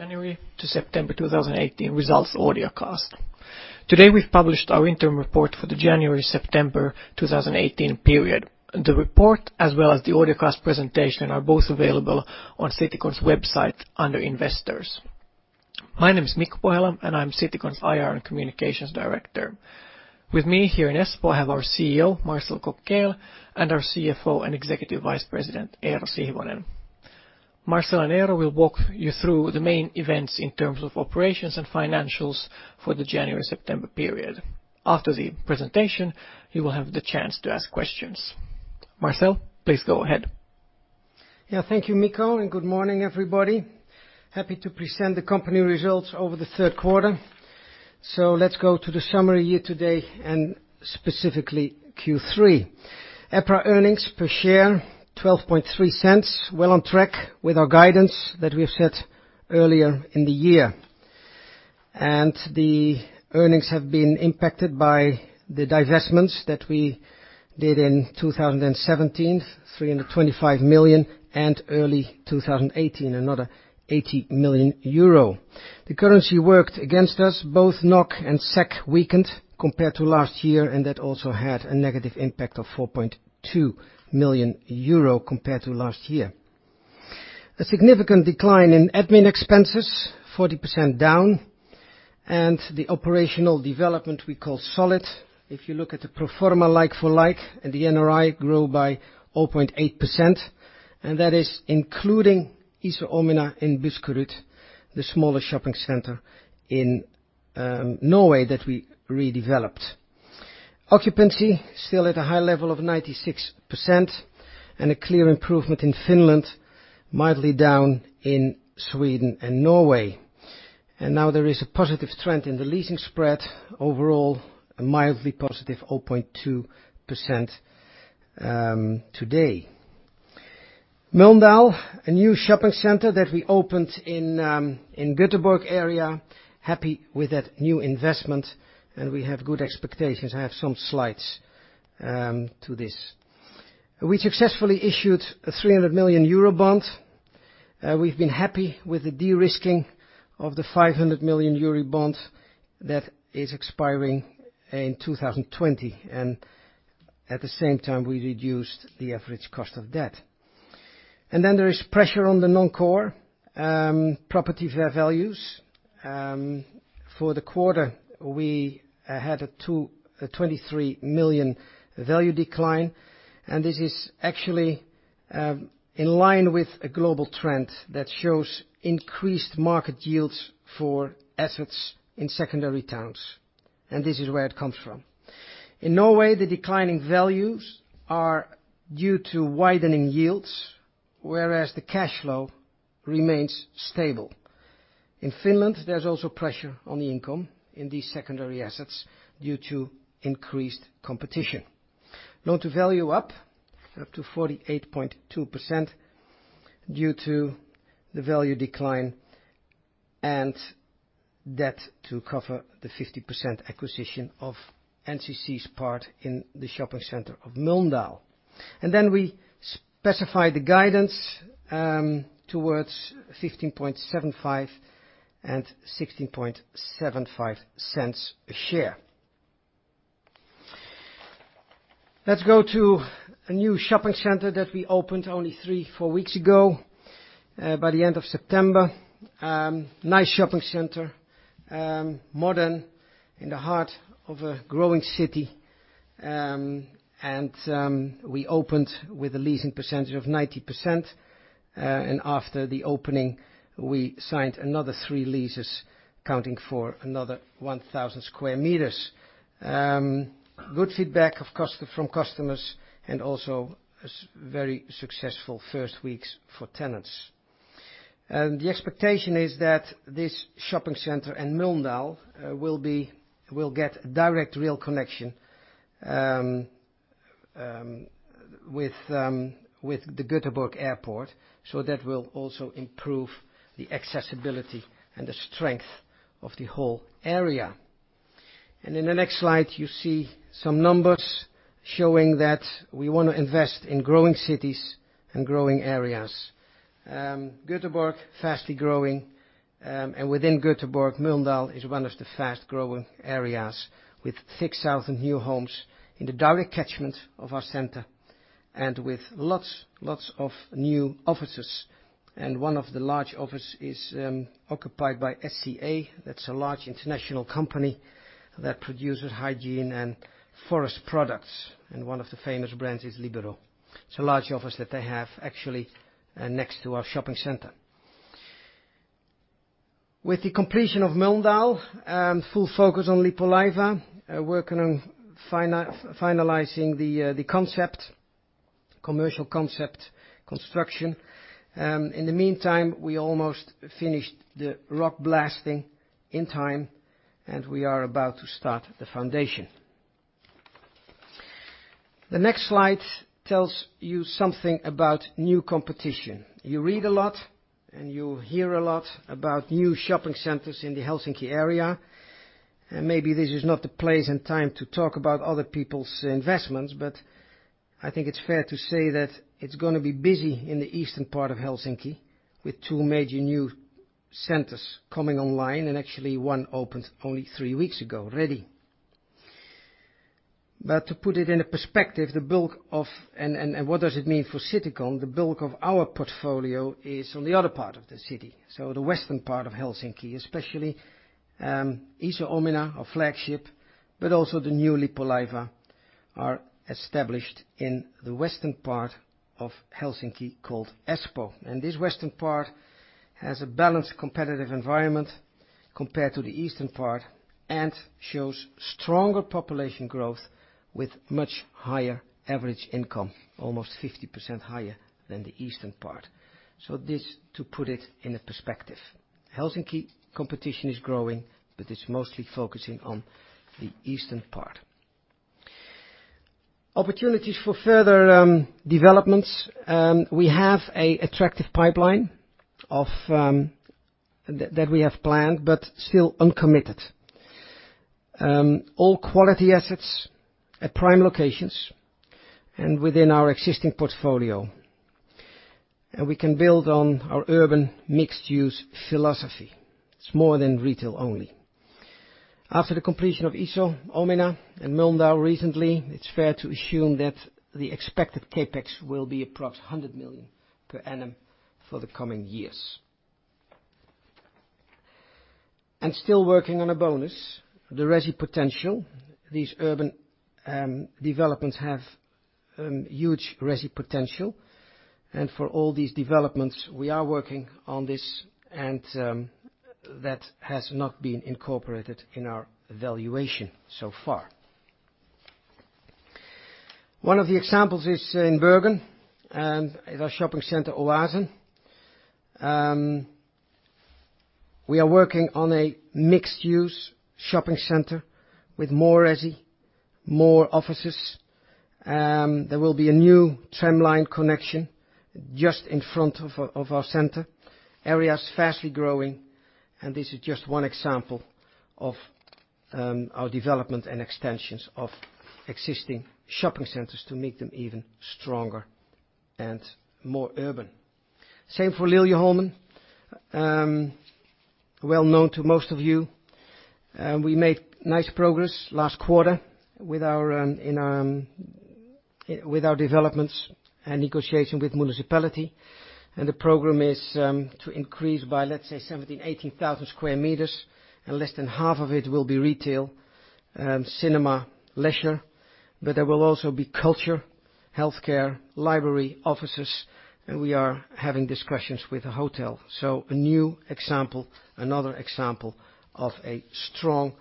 Good morning, everyone, and welcome to Citycon's January to September 2018 results audio cast. Today, we've published our interim report for the January-September 2018 period. The report, as well as the audio cast presentation, are both available on Citycon's website under Investors. My name is Mikko Pohjala, and I'm Citycon's IR and Communications Director. With me here in Espoo, I have our CEO, Marcel Kokkeel, and our CFO and Executive Vice President, Eero Sihvonen. Marcel and Eero will walk you through the main events in terms of operations and financials for the January-September period. After the presentation, you will have the chance to ask questions. Marcel, please go ahead. Yeah. Thank you, Mikko, good morning, everybody. Happy to present the company results over the third quarter. Let's go to the summary year to date, specifically Q3. EPRA earnings per share 0.1230, well on track with our guidance that we have set earlier in the year. The earnings have been impacted by the divestments that we did in 2017, 325 million, early 2018, another 80 million euro. The currency worked against us. Both NOK and SEK weakened compared to last year, that also had a negative impact of 4.2 million euro compared to last year. A significant decline in admin expenses, 40% down. The operational development, we call solid. If you look at the pro forma like-for-like, the NRI grew by 0.8%, that is including Iso Omena in Buskerud, the smaller shopping center in Norway that we redeveloped. Occupancy still at a high level of 96%, a clear improvement in Finland, mildly down in Sweden and Norway. Now there is a positive trend in the leasing spread. Overall, a mildly positive 0.2% today. Mölndal, a new shopping center that we opened in Göteborg area. Happy with that new investment, we have good expectations. I have some slides to this. We successfully issued a 300 million euro bond. We've been happy with the de-risking of the 500 million euro bond that is expiring in 2020, at the same time, we reduced the average cost of debt. There is pressure on the non-core property fair values. For the quarter, we had a 23 million value decline, this is actually in line with a global trend that shows increased market yields for assets in secondary towns, this is where it comes from. In Norway, the declining values are due to widening yields, whereas the cash flow remains stable. In Finland, there's also pressure on the income in these secondary assets due to increased competition. Loan-to-value up to 48.2% due to the value decline and debt to cover the 50% acquisition of NCC's part in the shopping center of Mölndal. We specify the guidance towards 0.1575 and 0.1675 a share. Let's go to a new shopping center that we opened only three, four weeks ago, by the end of September. Nice shopping center, modern, in the heart of a growing city. We opened with a leasing percentage of 90%, after the opening, we signed another three leases, accounting for another 1,000 square meters. Good feedback from customers also very successful first weeks for tenants. The expectation is that this shopping center and Mölndal will get direct rail connection with the Göteborg Airport. That will also improve the accessibility and the strength of the whole area. In the next slide, you see some numbers showing that we want to invest in growing cities and growing areas. Göteborg, fastly growing, and within Göteborg, Mölndal is one of the fast-growing areas with 6,000 new homes in the direct catchment of our center and with lots of new offices. One of the large office is occupied by SCA. That's a large international company that produces hygiene and forest products, and one of the famous brands is Libero. It's a large office that they have actually next to our shopping center. With the completion of Mölndal, full focus on Lippulaiva. Working on finalizing the concept, commercial concept construction. In the meantime, we almost finished the rock blasting in time, and we are about to start the foundation. The next slide tells you something about new competition. You read a lot, and you hear a lot about new shopping centers in the Helsinki area. Maybe this is not the place and time to talk about other people's investments, I think it's fair to say that it's going to be busy in the eastern part of Helsinki with two major new centers coming online, and actually one opened only three weeks ago, already. To put it in a perspective, and what does it mean for Citycon? The bulk of our portfolio is on the other part of the city, the western part of Helsinki, especially Iso Omena, our flagship, but also the newly Poliva are established in the western part of Helsinki called Espoo. This western part has a balanced, competitive environment compared to the eastern part and shows stronger population growth with much higher average income, almost 50% higher than the eastern part. This to put it in a perspective. Helsinki competition is growing, but it's mostly focusing on the eastern part. Opportunities for further developments. We have a attractive pipeline that we have planned, but still uncommitted. All quality assets at prime locations and within our existing portfolio. We can build on our urban mixed use philosophy. It's more than retail only. After the completion of Iso Omena and Mölndal recently, it's fair to assume that the expected CapEx will be approx. 100 million per annum for the coming years. Still working on a bonus, the resi potential. These urban developments have huge resi potential, and for all these developments, we are working on this and that has not been incorporated in our valuation so far. One of the examples is in Bergen, and our shopping center, Oasen. We are working on a mixed-use shopping center with more resi, more offices. There will be a new tramline connection just in front of our center. Area is fastly growing, this is just one example of our development and extensions of existing shopping centers to make them even stronger and more urban. Same for Liljeholmen, well known to most of you. We made nice progress last quarter with our developments and negotiation with municipality, and the program is to increase by, let's say, 17,000, 18,000 sq m, and less than half of it will be retail, cinema, leisure, but there will also be culture, healthcare, library, offices, and we are having discussions with a hotel. A new example, another example of a strong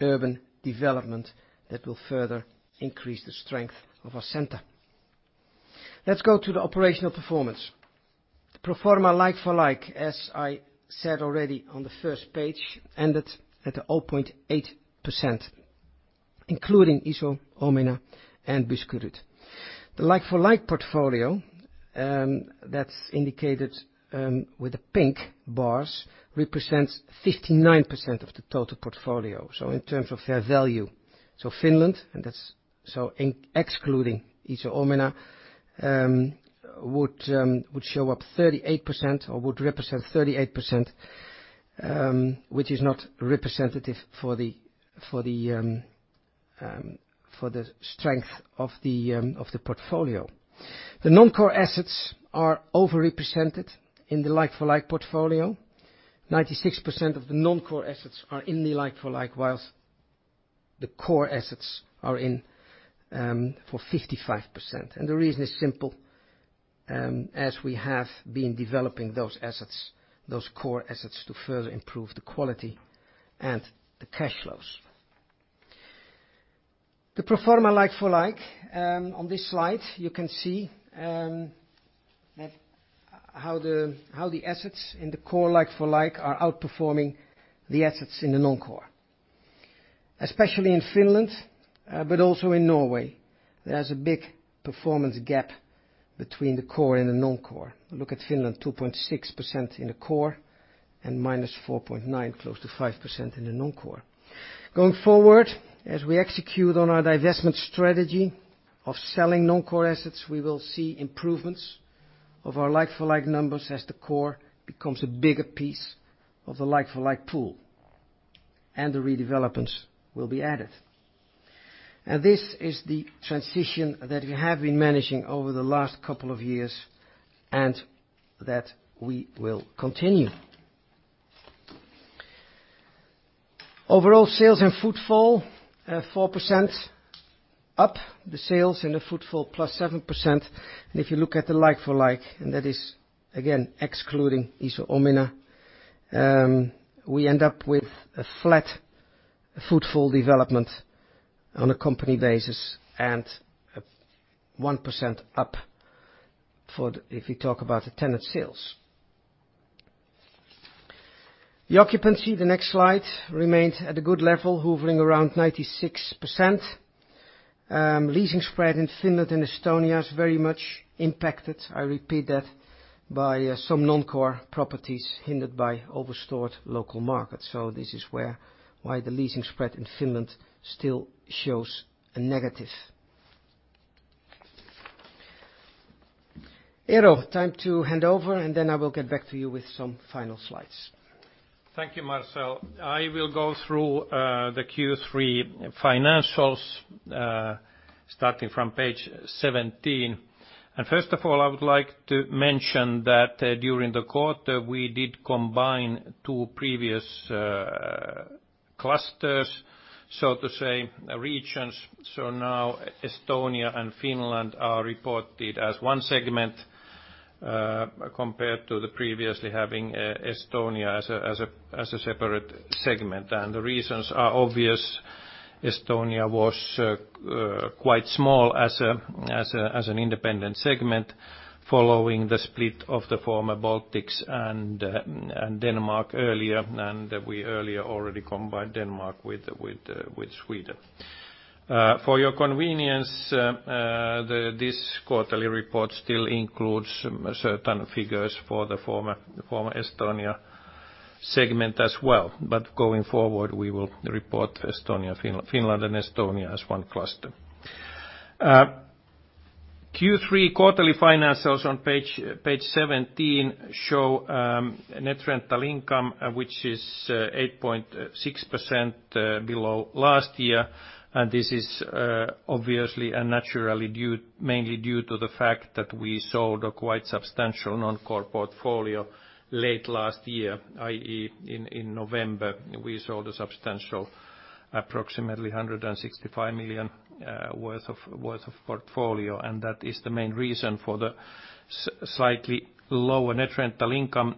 urban development that will further increase the strength of our center. Let's go to the operational performance. The pro forma like-for-like, as I said already on the first page, ended at a 0.8%, including Iso Omena and Buskerud. The like-for-like portfolio, that's indicated with the pink bars, represents 59% of the total portfolio. In terms of fair value. Finland, and that's excluding Iso Omena, would show up 38% or would represent 38%, which is not representative for the strength of the portfolio. The non-core assets are overrepresented in the like-for-like portfolio. 96% of the non-core assets are in the like-for-like, whilst the core assets are in for 55%. The reason is simple, as we have been developing those assets, those core assets, to further improve the quality and the cash flows. The pro forma like-for-like, on this slide, you can see how the assets in the core like-for-like are outperforming the assets in the non-core. Especially in Finland, but also in Norway, there is a big performance gap between the core and the non-core. Look at Finland, 2.6% in the core and -4.9%, close to 5% in the non-core. Going forward, as we execute on our divestment strategy of selling non-core assets, we will see improvements of our like-for-like numbers as the core becomes a bigger piece of the like-for-like pool, and the redevelopments will be added. This is the transition that we have been managing over the last couple of years and that we will continue. Overall sales and footfall, 4% up the sales and the footfall plus 7%. If you look at the like-for-like, and that is again excluding Iso Omena, we end up with a flat footfall development on a company basis and 1% up if you talk about the tenant sales. The occupancy, the next slide, remained at a good level, hovering around 96%. Leasing spread in Finland and Estonia is very much impacted, I repeat that, by some non-core properties hindered by overstored local markets. This is why the leasing spread in Finland still shows a negative. Eero, time to hand over, and then I will get back to you with some final slides. Thank you, Marcel. I will go through the Q3 financials starting from page 17. First of all, I would like to mention that during the quarter, we did combine two previous clusters, so to say, regions. Now Estonia and Finland are reported as one segment, compared to previously having Estonia as a separate segment. The reasons are obvious. Estonia was quite small as an independent segment following the split of the former Baltics and Denmark earlier, and we earlier already combined Denmark with Sweden. For your convenience, this quarterly report still includes certain figures for the former Estonia segment as well. Going forward, we will report Finland and Estonia as one cluster. Q3 quarterly financials on page 17 show net rental income, which is 8.6% below last year. This is obviously and naturally mainly due to the fact that we sold a quite substantial non-core portfolio late last year, i.e., in November. We sold a substantial approximately 165 million worth of portfolio. That is the main reason for the slightly lower net rental income,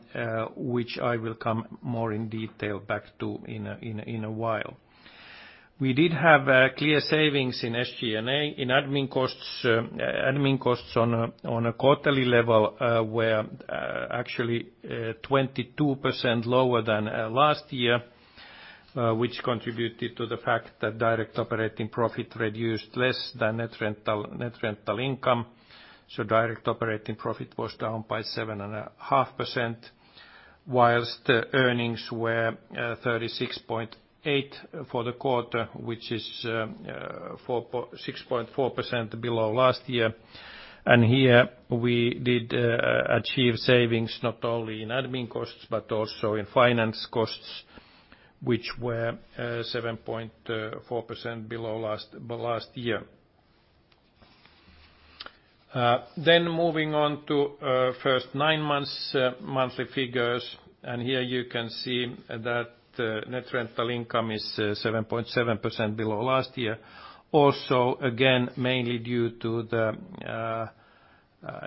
which I will come more in detail back to in a while. We did have clear savings in SG&A. In admin costs on a quarterly level were actually 22% lower than last year, which contributed to the fact that direct operating profit reduced less than net rental income. Direct operating profit was down by 7.5%, whilst the earnings were 36.8 for the quarter, which is 6.4% below last year. Here we did achieve savings not only in admin costs, but also in finance costs, which were 7.4% below last year. Moving on to first nine months monthly figures. Here you can see that net rental income is 7.7% below last year. Also, again, mainly due to the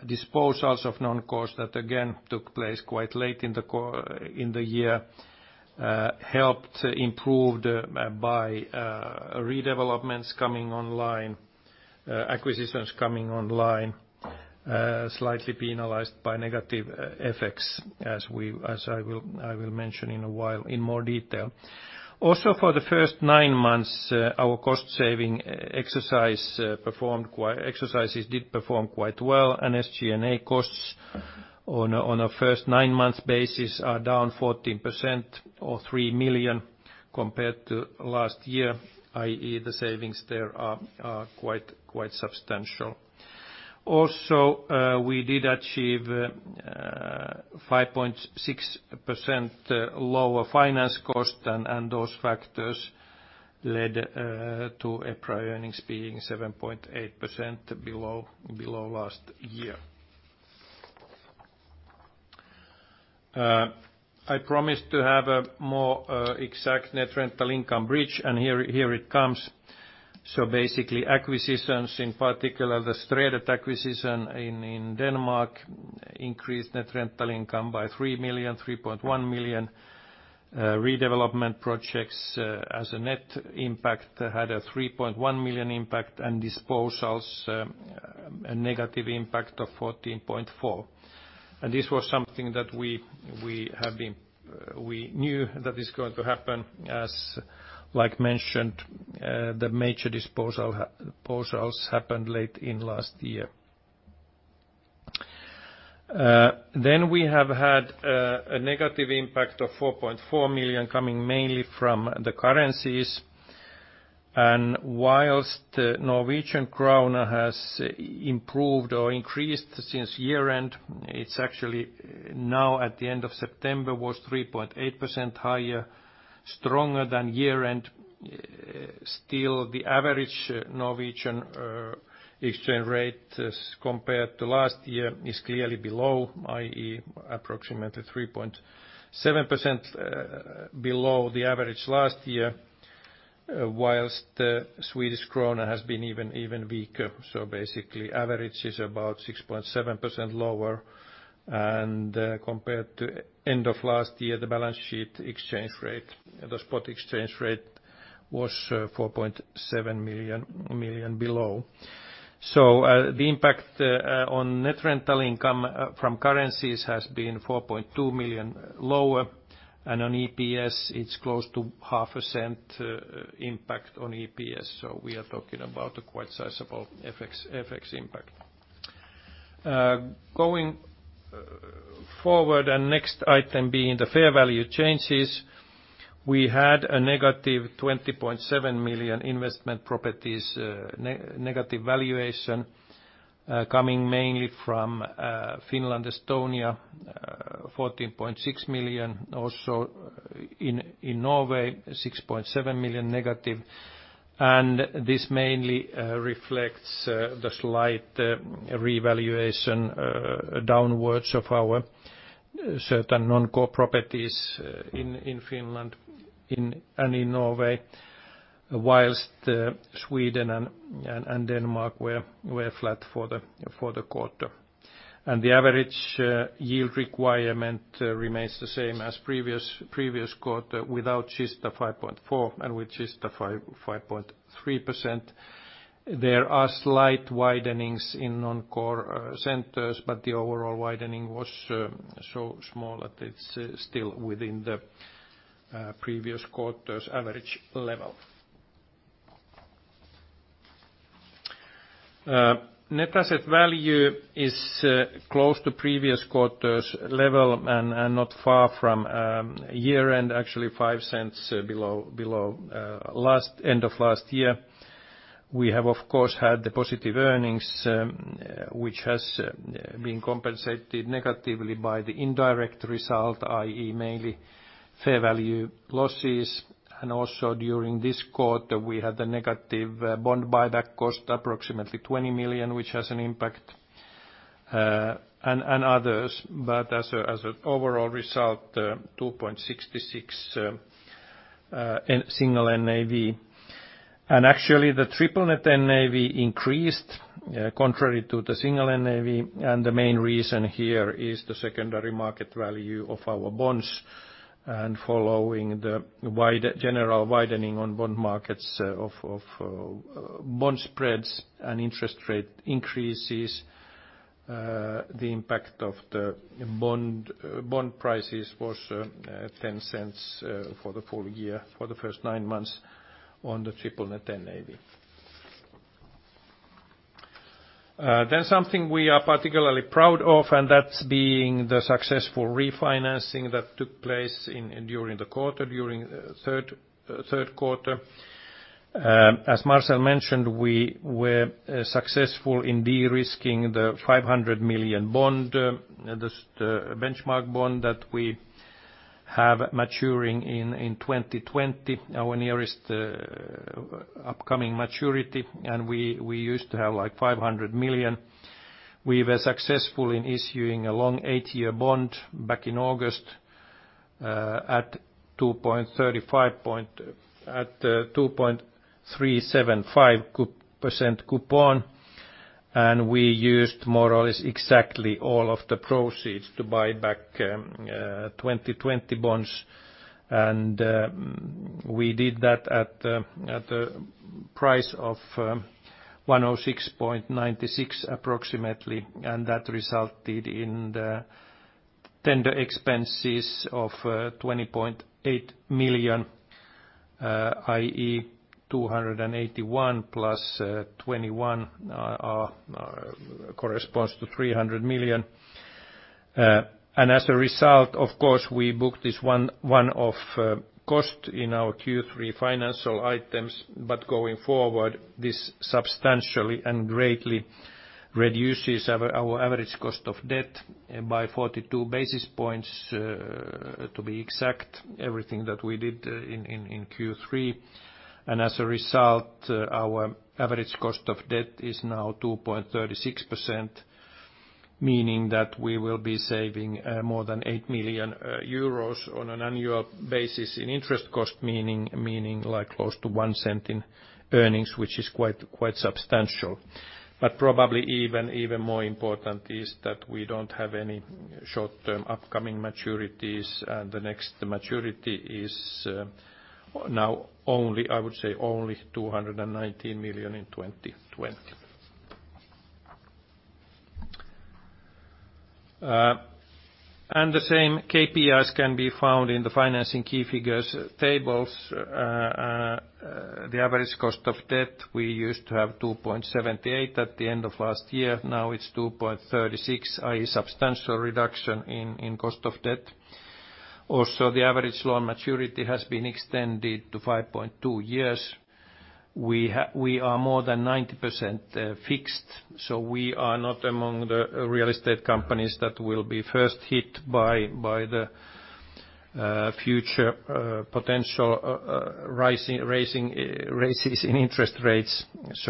disposals of non-cores that again took place quite late in the year, helped improved by redevelopments coming online, acquisitions coming online, slightly penalized by negative FX, as I will mention in a while in more detail. For the first nine months, our cost saving exercises did perform quite well. SG&A costs on a first nine months basis are down 14%, or 3 million, compared to last year, i.e., the savings there are quite substantial. We did achieve 5.6% lower finance cost. Those factors led to EPRA earnings being 7.8% below last year. I promised to have a more exact net rental income bridge, and here it comes. Basically, acquisitions, in particular the Strædet acquisition in Denmark, increased net rental income by 3.1 million. Redevelopment projects as a net impact had a 3.1 million impact. Disposals, a negative impact of 14.4 million. This was something that we knew that is going to happen. Like mentioned, the major disposals happened late in last year. We have had a negative impact of 4.4 million coming mainly from the currencies. Whilst the Norwegian kroner has improved or increased since year-end, it actually now at the end of September was 3.8% higher, stronger than year-end. Still, the average Norwegian exchange rate compared to last year is clearly below, i.e., approximately 3.7% below the average last year, whilst the Swedish kroner has been even weaker. Basically, average is about 6.7% lower. Compared to end of last year, the balance sheet exchange rate, the spot exchange rate, was 4.7 million below. The impact on net rental income from currencies has been 4.2 million lower, and on EPS, it's close to EUR 0.005 impact on EPS. We are talking about a quite sizable FX impact. Going forward, next item being the fair value changes. We had a negative 20.7 million investment properties negative valuation coming mainly from Finland, Estonia, 14.6 million. In Norway, 6.7 million negative. This mainly reflects the slight revaluation downwards of our certain non-core properties in Finland and in Norway, whilst Sweden and Denmark were flat for the quarter. The average yield requirement remains the same as previous quarter without Kista 5.4% and with Kista 5.3%. There are slight widenings in non-core centers, the overall widening was so small that it's still within the previous quarter's average level. Net asset value is close to previous quarter's level and not far from year-end, actually 0.05 below end of last year. We have, of course, had the positive earnings, which has been compensated negatively by the indirect result, i.e. mainly fair value losses. Also during this quarter, we had the negative bond buyback cost approximately 20 million, which has an impact, and others. As an overall result, 2.66 single NAV. Actually, the triple net NAV increased contrary to the single NAV. The main reason here is the secondary market value of our bonds. Following the general widening on bond markets of bond spreads and interest rate increases, the impact of the bond prices was 0.10 for the full year, for the first nine months on the triple net NAV. Something we are particularly proud of, and that's being the successful refinancing that took place during the quarter, during third quarter. As Marcel mentioned, we were successful in de-risking the 500 million bond, the benchmark bond that we have maturing in 2020, our nearest upcoming maturity, we used to have 500 million. We were successful in issuing a long 8-year bond back in August at 2.375% coupon. We used more or less exactly all of the proceeds to buy back 2020 bonds. We did that at the price of 106.96 approximately. That resulted in the tender expenses of 20.8 million, i.e. 281 plus 21 corresponds to 300 million. As a result, of course, we booked this one-off cost in our Q3 financial items. Going forward, this substantially and greatly reduces our average cost of debt by 42 basis points, to be exact, everything that we did in Q3. As a result, our average cost of debt is now 2.36%, meaning that we will be saving more than 8 million euros on an annual basis in interest cost, meaning close to 0.01 in earnings, which is quite substantial. Probably even more important is that we don't have any short-term upcoming maturities, the next maturity is now only, I would say, only 219 million in 2020. The same KPIs can be found in the financing key figures tables. The average cost of debt, we used to have 2.78% at the end of last year. Now it's 2.36%, i.e. substantial reduction in cost of debt. Also, the average loan maturity has been extended to 5.2 years. We are more than 90% fixed, we are not among the real estate companies that will be first hit by the future potential raises in interest rates.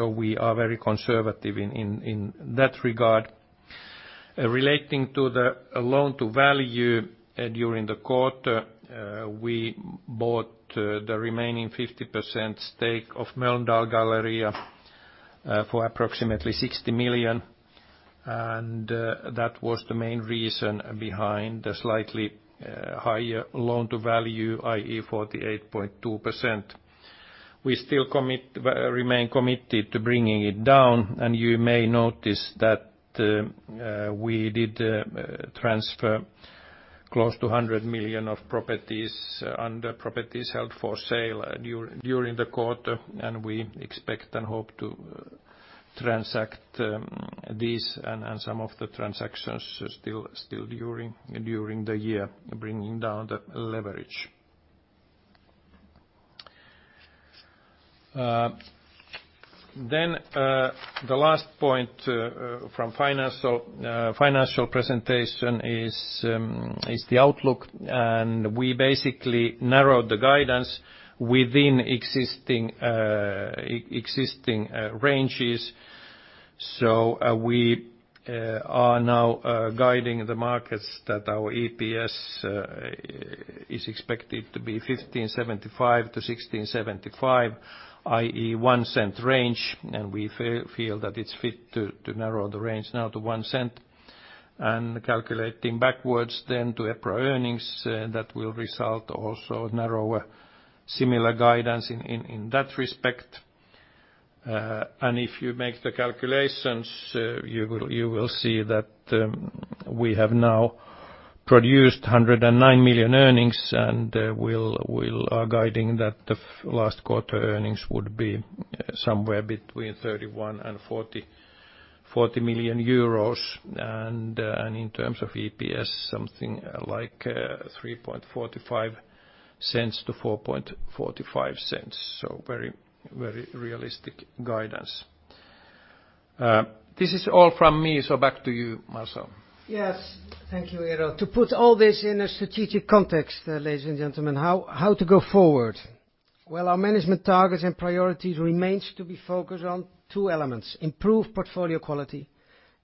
We are very conservative in that regard. Relating to the loan-to-value during the quarter, we bought the remaining 50% stake of Mölndal Galleria for approximately 60 million. That was the main reason behind the slightly higher loan-to-value, i.e. 48.2%. We still remain committed to bringing it down. You may notice that we did transfer close to 100 million of properties under properties held for sale during the quarter. We expect and hope to transact these and some of the transactions still during the year, bringing down the leverage. The last point from financial presentation is the outlook, we basically narrowed the guidance within existing ranges. We are now guiding the markets that our EPS is expected to be 0.1575 to 0.1675, i.e., a EUR 0.01 range, and we feel that it is fit to narrow the range now to 0.01. Calculating backwards then to EPRA earnings, that will result also narrower, similar guidance in that respect. If you make the calculations, you will see that we have now produced 109 million earnings, and we are guiding that the last quarter earnings would be somewhere between 31 million euros and 40 million euros. In terms of EPS, something like 0.0345 to 0.0445. Very realistic guidance. This is all from me, so back to you, Marcel. Yes. Thank you, Eero. To put all this in a strategic context, ladies and gentlemen, how to go forward? Well, our management targets and priorities remains to be focused on two elements, improve portfolio quality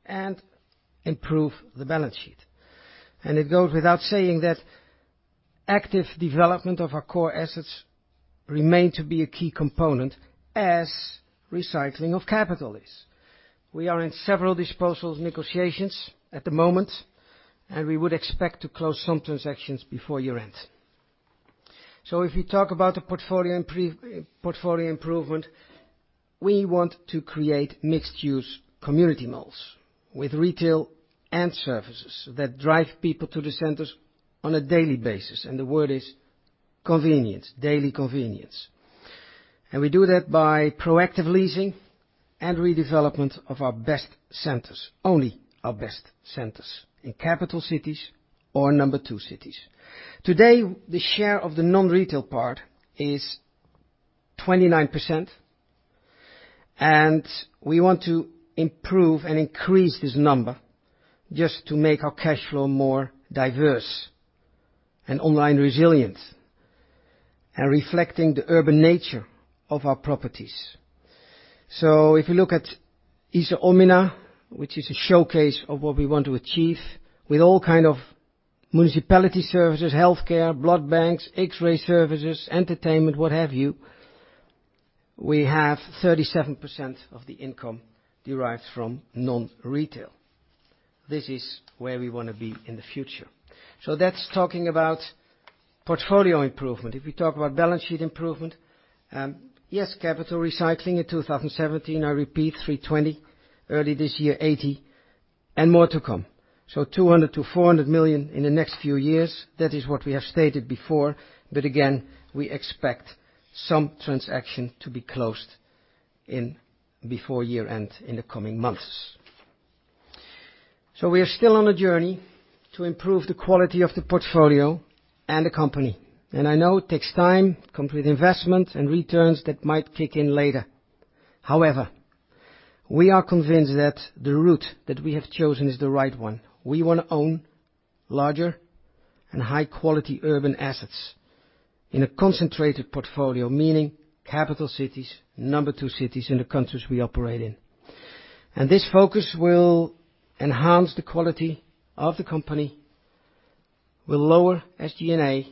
and improve the balance sheet. It goes without saying that active development of our core assets remain to be a key component as recycling of capital is. We are in several disposals negotiations at the moment, and we would expect to close some transactions before year-end. If you talk about the portfolio improvement, we want to create mixed-use community malls with retail and services that drive people to the centers on a daily basis. The word is convenience, daily convenience. We do that by proactive leasing and redevelopment of our best centers, only our best centers in capital cities or number 2 cities. Today, the share of the non-retail part is 29%, and we want to improve and increase this number just to make our cash flow more diverse and online resilient and reflecting the urban nature of our properties. If you look at Iso Omena, which is a showcase of what we want to achieve with all kind of municipality services, healthcare, blood banks, X-ray services, entertainment, what have you. We have 37% of the income derived from non-retail. This is where we want to be in the future. That is talking about portfolio improvement. If we talk about balance sheet improvement, yes, capital recycling in 2017, I repeat, 320 million. Early this year, 80 million, and more to come. 200 million-400 million in the next few years. That is what we have stated before. Again, we expect some transaction to be closed before year-end in the coming months. We are still on a journey to improve the quality of the portfolio and the company. I know it takes time, complete investment, and returns that might kick in later. However, we are convinced that the route that we have chosen is the right one. We want to own larger and high-quality urban assets in a concentrated portfolio, meaning capital cities, number 2 cities in the countries we operate in. This focus will enhance the quality of the company, will lower SG&A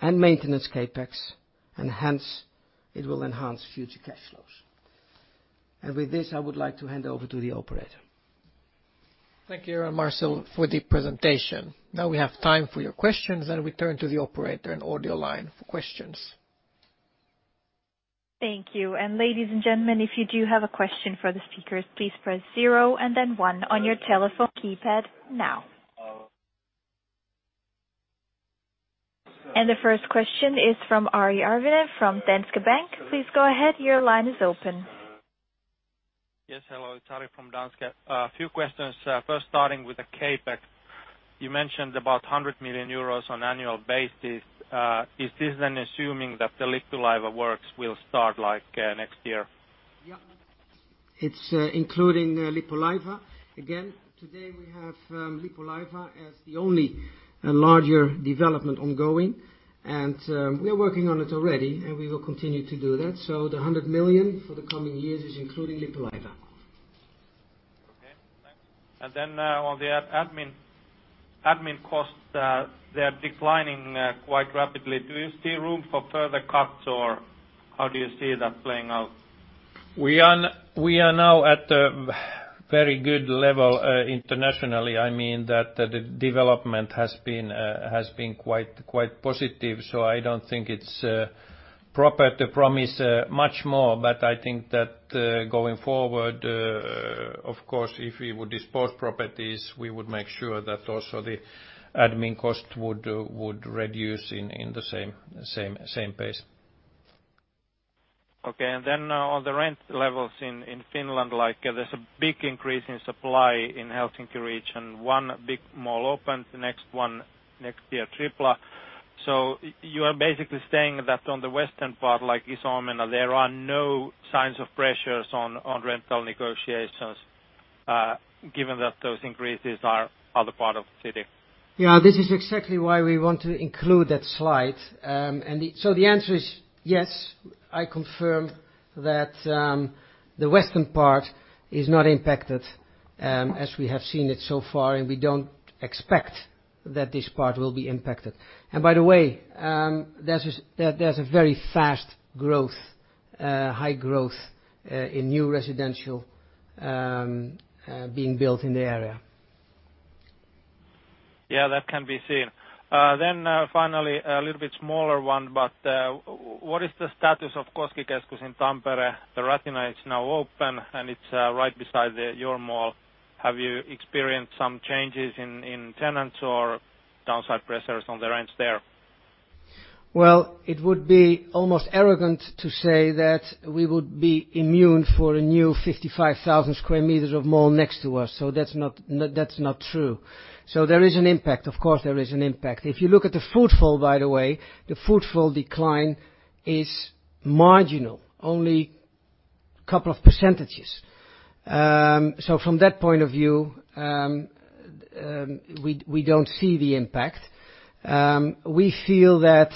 and maintenance CapEx, and hence, it will enhance future cash flows. With this, I would like to hand over to the operator. Thank you, Marcel, for the presentation. Now we have time for your questions. Let we turn to the operator and audio line for questions. Thank you. Ladies and gentlemen, if you do have a question for the speakers, please press zero and then one on your telephone keypad now. The first question is from Ari Arvonen from Danske Bank. Please go ahead, your line is open. Yes, hello, it's Ari from Danske. A few questions. First, starting with the CapEx. You mentioned about 100 million euros on annual basis. Is this then assuming that the Lippulaiva works will start next year? Yeah. It's including Lippulaiva. Again, today we have Lippulaiva as the only larger development ongoing, and we are working on it already, and we will continue to do that. The 100 million for the coming years is including Lippulaiva. Okay, thanks. On the admin costs, they're declining quite rapidly. Do you see room for further cuts, or how do you see that playing out? We are now at a very good level internationally. I mean that the development has been quite positive. I don't think it's proper to promise much more. I think that going forward, of course, if we would dispose properties, we would make sure that also the admin cost would reduce in the same pace. Okay. On the rent levels in Finland, there's a big increase in supply in Helsinki region. One big mall opened, the next one next year, Tripla. You are basically saying that on the western part, like Iso Omena, there are no signs of pressures on rental negotiations, given that those increases are other part of the city. Yeah, this is exactly why we want to include that slide. The answer is yes, I confirm that the western part is not impacted as we have seen it so far, and we don't expect that this part will be impacted. By the way, there's a very fast growth, high growth in new residential being built in the area. Yeah, that can be seen. Finally, a little bit smaller one, but what is the status of Koskikeskus in Tampere? The Ratina is now open, and it's right beside your mall. Have you experienced some changes in tenants or downside pressures on the rents there? Well, it would be almost arrogant to say that we would be immune for a new 55,000 sq m of mall next to us. That's not true. There is an impact. Of course, there is an impact. If you look at the footfall, by the way, the footfall decline is marginal, only a couple of %. From that point of view, we don't see the impact. We feel that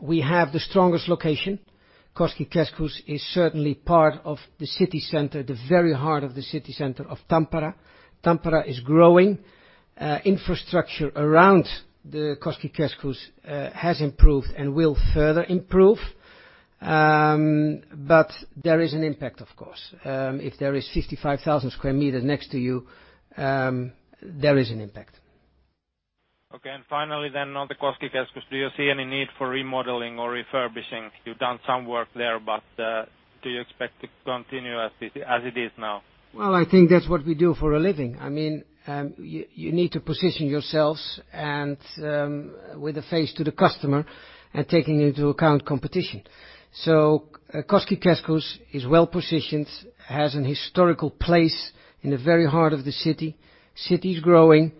we have the strongest location. Koskikeskus is certainly part of the city center, the very heart of the city center of Tampere. Tampere is growing. Infrastructure around the Koskikeskus has improved and will further improve. There is an impact, of course. If there is 55,000 sq m next to you, there is an impact. Okay, finally, on the Koskikeskus, do you see any need for remodeling or refurbishing? You've done some work there, do you expect to continue as it is now? Well, I think that's what we do for a living. You need to position yourselves and with a face to the customer and taking into account competition. Koskikeskus is well-positioned, has an historical place in the very heart of the city. City is growing,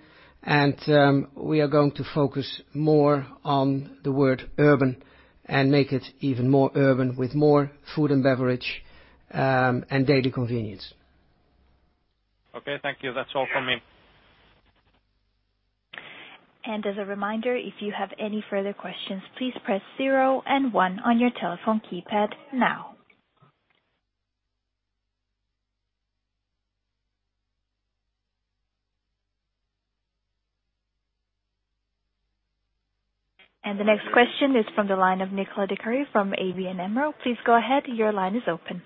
we are going to focus more on the word urban and make it even more urban with more food and beverage, and daily convenience. Okay, thank you. That's all from me. As a reminder, if you have any further questions, please press zero and one on your telephone keypad now. The next question is from the line of Nicoletta De-Cunha from ABN AMRO. Please go ahead. Your line is open.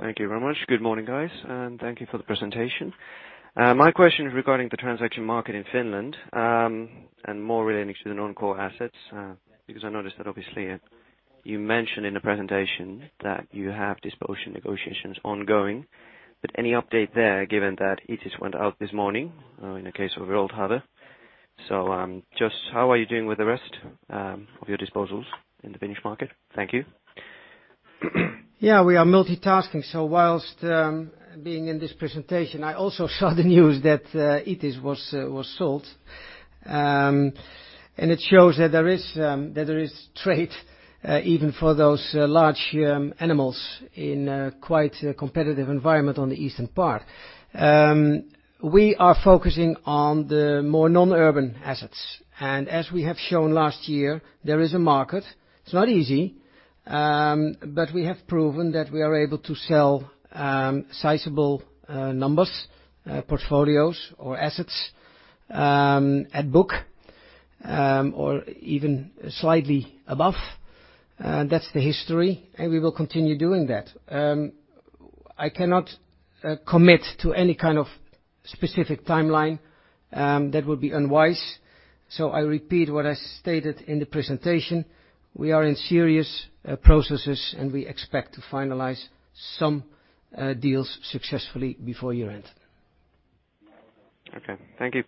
Thank you very much. Good morning, guys, and thank you for the presentation. My question is regarding the transaction market in Finland, and more relating to the non-core assets, because I noticed that obviously you mentioned in the presentation that you have disposition negotiations ongoing, but any update there, given that it just went out this morning, in the case of Old Harbour. Just how are you doing with the rest of your disposals in the Finnish market? Thank you. Yeah, we are multitasking. Whilst being in this presentation, I also saw the news that Itis was sold. It shows that there is trade even for those large animals in quite a competitive environment on the eastern part. We are focusing on the more non-urban assets. As we have shown last year, there is a market. It's not easy, but we have proven that we are able to sell sizable numbers, portfolios, or assets at book, or even slightly above. That's the history, and we will continue doing that. I cannot commit to any kind of specific timeline. That would be unwise. I repeat what I stated in the presentation. We are in serious processes, and we expect to finalize some deals successfully before year-end. Okay. Thank you.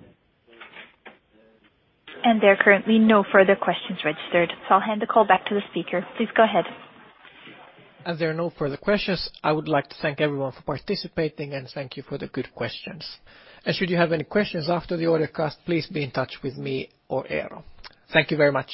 There are currently no further questions registered. I'll hand the call back to the speaker. Please go ahead. As there are no further questions, I would like to thank everyone for participating, and thank you for the good questions. Should you have any questions after the audio cast, please be in touch with me or Eero. Thank you very much.